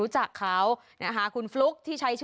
ใช่ไหม